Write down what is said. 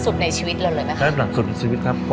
ธวิ์วิดีโอป